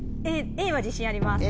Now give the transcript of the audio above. Ａは自信あります。